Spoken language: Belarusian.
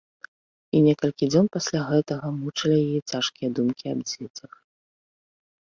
І некалькі дзён пасля гэтага мучылі яе цяжкія думкі аб дзецях.